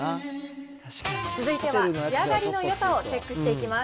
続いては仕上がりのよさをチェックしていきます。